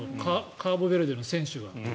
カーボベルデの選手が。